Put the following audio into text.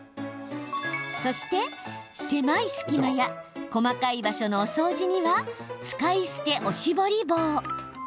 そして、狭い隙間や細かい場所のお掃除には使い捨ておしぼり棒。